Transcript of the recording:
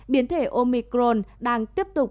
biến thể omicron đang tiếp tục